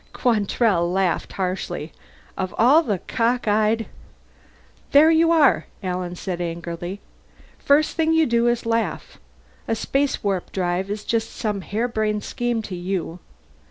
Quantrell laughed harshly. "Of all the cockeyed " "There you are," Alan said angrily. "First thing you do is laugh. A spacewarp drive is just some hairbrained scheme to you.